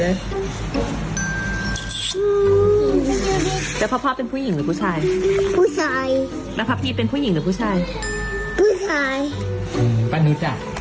แล้วพอพ่อเป็นผู้หญิงหรือผู้ชายผู้ชายแล้วพอพี่เป็นผู้หญิงหรือผู้ชายอุ้ยหายอืมป้ารู้จัก